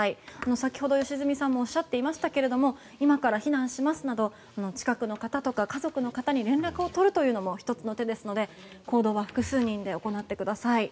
先ほど良純さんもおっしゃっていましたけれども今から避難しますなど近くの方とか家族の方に連絡を取るというのも１つの手ですので行動は複数人で行ってください。